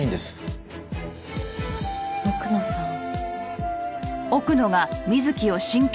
奥野さん。